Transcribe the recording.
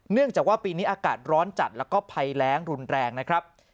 เนื่องจากว่าปีนี้อากาศร้อนจัดแล้วก็ภัยแรงรุนแรงนะครับ